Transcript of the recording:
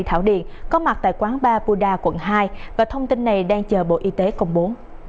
thảo điện có mặt tại quán ba buda quận hai và thông tin này đang chờ bộ y tế công bố